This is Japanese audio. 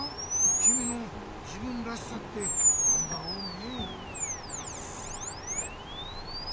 君の自分らしさって何だろうね？